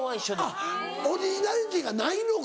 オリジナリティーがないのか。